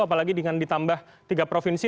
apalagi dengan ditambah tiga provinsi